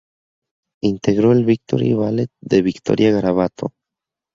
Integró el Victory Ballet de Victoria Garabato.